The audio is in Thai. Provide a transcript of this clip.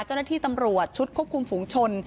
เจ้าหน้าที่ตำรวจชุดควบคุมฝูงชน